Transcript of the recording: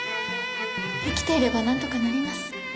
生きていればなんとかなります。